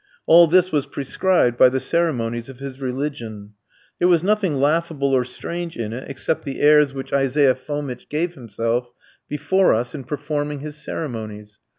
All this was prescribed by the ceremonies of his religion. There was nothing laughable or strange in it, except the airs which Isaiah Fomitch gave himself before us in performing his ceremonies.